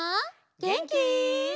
げんき？